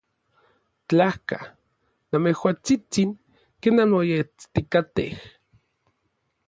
Tlajka, namejuatsitsin. ¿Ken nanmoestikatej?